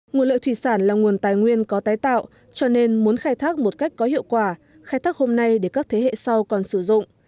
nguồn lợi thủy sản là nguồn tài nguyên có tái tạo cho nên muốn khai thác một cách có hiệu quả khai thác hôm nay để các thế hệ sau còn sử dụng